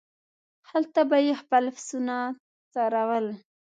هلته به یې خپل پسونه څرول.